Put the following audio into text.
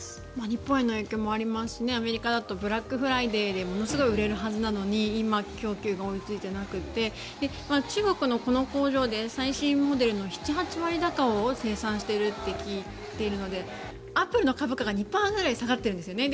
日本への影響もありますしアメリカだとブラックフライデーでものすごい売れるはずなのに今は供給が追いついていなくて中国のこの工場で最新モデルの７８割だかを生産していると聞いているのでアップルの株価が２％ぐらい下がっているんですね。